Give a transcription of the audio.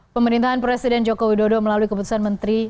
pemerintahan presiden joko widodo melalui keputusan menteri